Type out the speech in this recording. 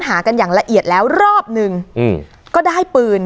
สลับผัดเปลี่ยนกันงมค้นหาต่อเนื่อง๑๐ชั่วโมงด้วยกัน